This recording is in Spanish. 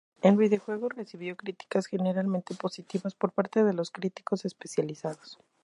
El videojuego recibió criticas generalmente positivas por parte de los críticos especializados.